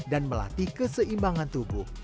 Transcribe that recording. dan melatih keseimbangan tubuh